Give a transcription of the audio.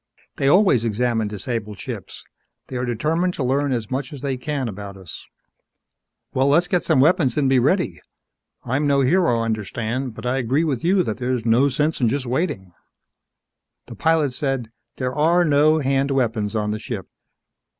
"They always examine disabled ships. They are determined to learn as much as they can about us." "Well, let's get some weapons and be ready. I'm no hero, understand. But I agree with you that there's no sense in just waiting." The pilot said: "There are no hand weapons on the ship.